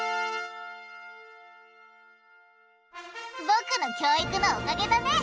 僕の教育のおかげだね。